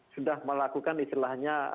sudah melakukan istilahnya